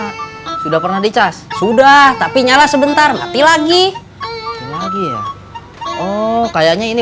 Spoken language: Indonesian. hai habis nyala sudah pernah dicas sudah tapi nyala sebentar mati lagi lagi ya oh kayaknya ini